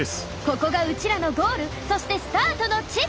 ここがウチらのゴールそしてスタートの地！